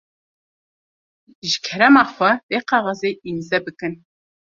Ji kerema xwe vê kaxizê îmze bikin.